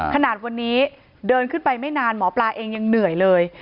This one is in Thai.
ขนาดวันนี้เดินขึ้นไปไม่นานหมอปลาเองยังเหนื่อยเลย